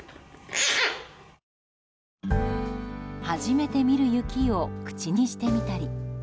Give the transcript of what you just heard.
初めて見る雪を口にしてみたり。